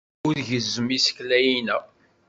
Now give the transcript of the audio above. Ur gezzem isekla-inna.